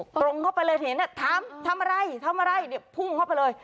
ตรงเข้าไปเลยเห็นถามทำอะไรทำอะไรเนี่ยพุ่งเข้าไปเลย